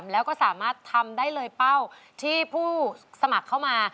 แล้วก็สามารถทำได้เลยเป้าที่ผู้สมัครเข้ามา